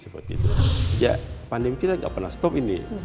pandemi kita tidak pernah stop ini